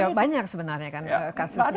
ya banyak sebenarnya kan kasusnya